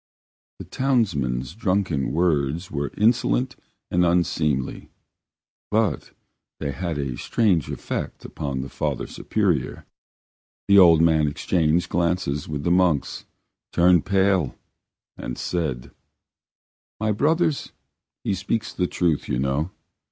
The townsman's drunken words were insolent and unseemly, but they had a strange effect upon the Father Superior. The old man exchanged glances with his monks, turned pale, and said: "My brothers, he speaks the truth, you know.